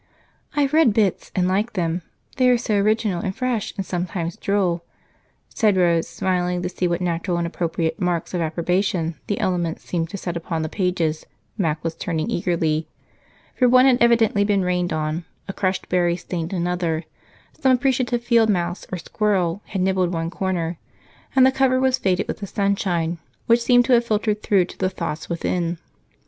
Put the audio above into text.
"I've read bits, and like them they are so original and fresh and sometimes droll," said Rose, smiling to see what natural and appropriate marks of approbation the elements seemed to set upon the pages Mac was turning eagerly, for one had evidently been rained on, a crushed berry stained another, some appreciative field mouse or squirrel had nibbled one corner, and the cover was faded with the sunshine, which seemed to have filtered through to the thoughts within.